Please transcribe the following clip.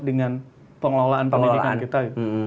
dengan pengelolaan pendidikan kita